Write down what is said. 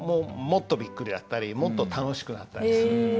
もっとびっくりだったりもっと楽しくなったりする。